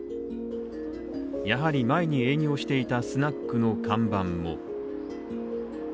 やはり前に営業していたスナックも看板も。